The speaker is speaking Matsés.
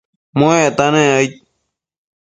muecta nec aid